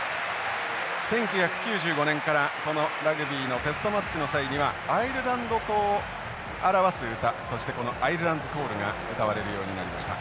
１９９５年からこのラグビーのテストマッチの際にはアイルランド島を表す歌としてこの「アイルランズコール」が歌われるようになりました。